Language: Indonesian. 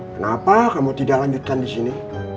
kenapa kamu tidak lanjutkan disini